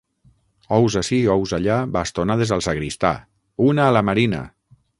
Ous ací, ous allà, bastonades al sagristà! Una a la Marina!